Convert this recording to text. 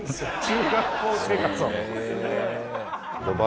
中学校生活を。